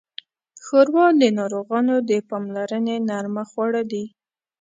ښوروا د ناروغانو د پاملرنې نرمه خواړه ده.